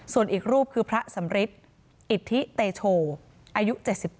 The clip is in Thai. ส่วนอีกรูปคือพระสำริทอิทธิเตโชอายุ๗๘